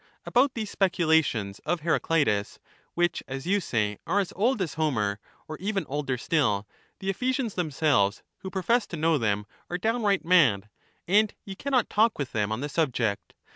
About these speculations of cl^^Versy Heracleitus, which, as you say, are as old as Homer, or even about the older still, the Ephesians themselves, who profess to know SJJJ^^^^i them, are downright mad, and you cannot talk with them on we must the subject.